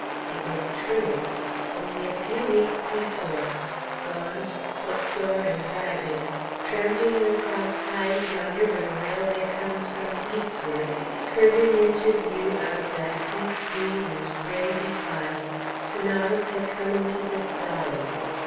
It was true. Only a few weeks before, gaunt, footsore, and ragged, tramping the cross ties yonder where the railway comes from the eastward, curving into view out of that deep green and gray defile, 'Thanase had come into this valley.